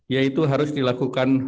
yaitu harus dilakukan